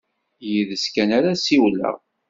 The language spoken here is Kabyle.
Yid-s kan ara ssiwleɣ.